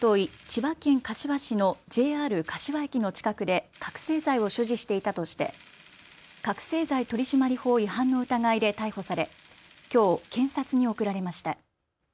千葉県柏市のＪＲ柏駅の近くで覚醒剤を所持していたとして覚醒剤取締法違反の疑いで逮捕されきょう、検察に送られました。